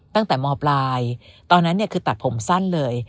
ตั้งแต่มปลายตอนนั้นคือตัดผมสั้นเลย